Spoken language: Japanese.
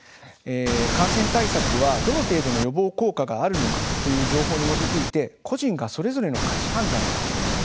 感染対策はどの程度の予防効果があるのかという情報に基づいて個人がそれぞれの価値判断で決める。